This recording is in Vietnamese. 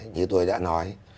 như tôi đã nói